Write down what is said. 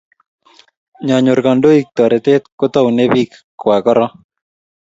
Ngonyor kandoik toretet kotounee bikwak korok